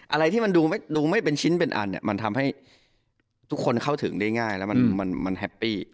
อะไรที่มันดูไม่เป็นชิ้นเป็นอันเนี่ยมันทำให้ทุกคนเข้าถึงได้ง่ายแล้วมันแฮปปี้